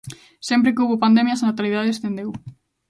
Sempre que houbo pandemias, a natalidade descendeu.